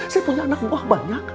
saya punya anak buah banyak